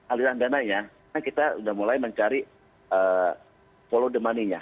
aliran dananya kita sudah mulai mencari follow the money nya